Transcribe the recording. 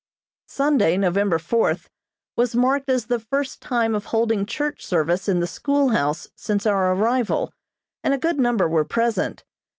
Sunday, November fourth, was marked as the first time of holding church service in the schoolhouse since our arrival, and a good number were present.